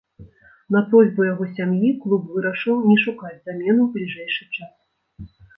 На просьбу яго сям'і клуб вырашыў не шукаць замену ў бліжэйшы час.